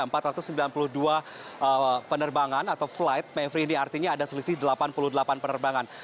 kalau di bandara ini ada penerbangan atau flight mephri ini artinya ada selisih delapan puluh delapan penerbangan